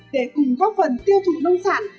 để cùng góp phần tiêu thụ nông sản